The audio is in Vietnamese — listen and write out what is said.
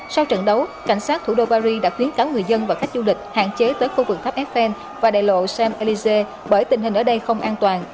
sau trận đấu cảnh sát thủ đô paris đã khuyến cáo người dân và khách du lịch hạn chế tới khu vực tháp eiffel và đại lộ semp lise bởi tình hình ở đây không an toàn